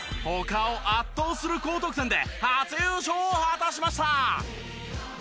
他を圧倒する高得点で初優勝を果たしました！